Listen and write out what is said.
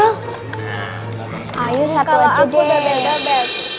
hai ayo satu aja deh ada